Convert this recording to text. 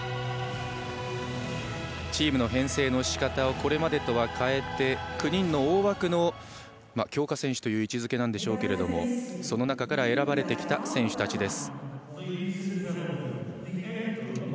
チームの編成のしかたをこれまでとは変えて９人の大枠の強化選手という位置づけでしょうけどその中から選ばれてきた選手たち。